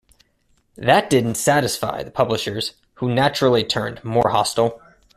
That didn't satisfy the publishers, who naturally turned more hostile.